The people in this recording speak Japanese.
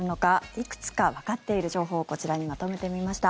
いくつかわかっている情報をこちらにまとめてみました。